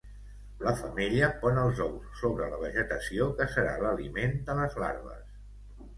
La femella pon els ous sobre la vegetació que serà l'aliment de les larves.